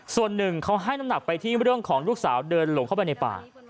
ส่วนหนึ่งเขาให้น้ำหนักไปที่เรื่องของลูกสาวเดินหลงเข้าไปในป่า